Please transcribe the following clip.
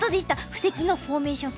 布石のフォーメーション